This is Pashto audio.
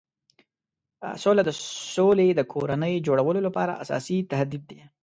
سوله د سولې د کورنۍ جوړولو لپاره اساسي تهدید دی.